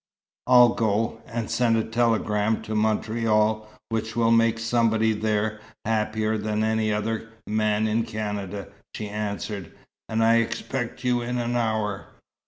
"I'll go, and send a telegram to Montreal which will make somebody there happier than any other man in Canada," she answered. "And I'll expect you in an hour."